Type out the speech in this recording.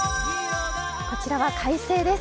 こちらは快晴です。